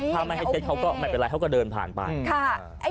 ถ้าไม่ให้เช็ดเขาก็ไม่เป็นไรเขาก็เดินผ่านไป